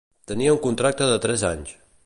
Tenia un contracte de tres anys.